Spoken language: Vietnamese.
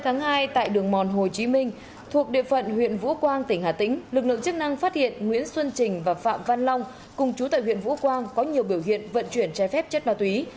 ngày hai tại đường mòn hồ chí minh thuộc địa phận huyện vũ quang tỉnh hà tĩnh lực lượng chức năng phát hiện nguyễn xuân trình và phạm văn long cùng chú tại huyện vũ quang có nhiều biểu hiện vận chuyển trái phép chất ma túy